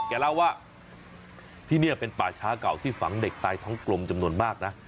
เล่าว่าที่นี่เป็นป่าช้าเก่าที่ฝังเด็กตายท้องกลมจำนวนมากนะ